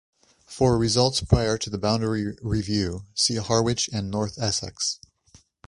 "For results prior to the boundary review, see Harwich and North Essex"